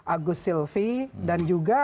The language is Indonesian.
agus silvi dan juga